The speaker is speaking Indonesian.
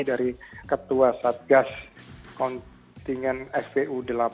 dari ketua satgas kontinen spu delapan